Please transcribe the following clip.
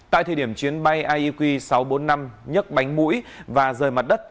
tại thời điểm chuyến bay ieq sáu trăm bốn mươi năm nhấc bánh mũi và rời mặt đất